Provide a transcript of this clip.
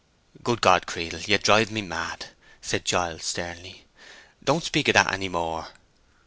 "Good God, Creedle, you'll drive me mad!" said Giles, sternly. "Don't speak of that any more!"